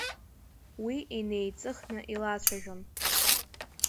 Уи инеиҵыхны иалацәажәон…